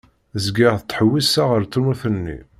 Zgiɣ ttḥewwiseɣ ar tmurt-nni.